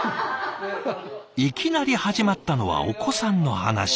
いきなり始まったのはお子さんの話。